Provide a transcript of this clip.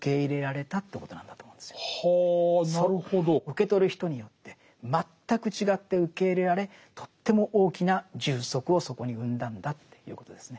受け取る人によって全く違って受け入れられとっても大きな充足をそこに生んだんだということですね。